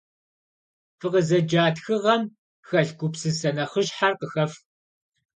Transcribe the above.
Фыкъызэджа тхыгъэм хэлъ гупсысэ нэхъыщхьэр къыхэфх.